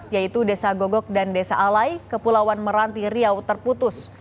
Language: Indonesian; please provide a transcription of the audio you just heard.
yaitu desa gogok dan desa alai kepulauan meranti riau terputus